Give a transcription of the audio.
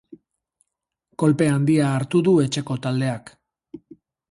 Kolpe handia hartu du etxeko taldeak.